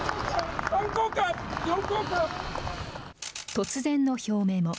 突然の表明も。